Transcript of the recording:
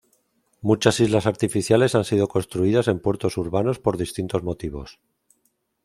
Muchas islas artificiales han sido construidas en puertos urbanos por distintos motivos.